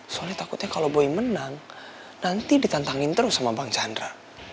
soalnya takutnya kalau boy menang nanti ditantangin terus sama bang chandra